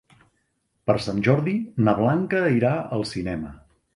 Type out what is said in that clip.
Per Sant Jordi na Blanca irà al cinema.